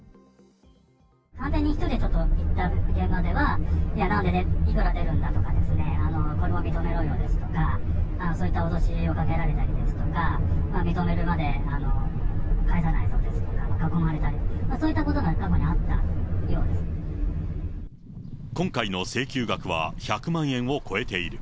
鑑定人１人で行った現場では、じゃあいくら出るんだとかですね、これを認めろよですとか、そういった脅しをかけられたりですとか、認めるまで帰さないぞとか、囲まれたり、そういったことも過去に今回の請求額は１００万円を超えている。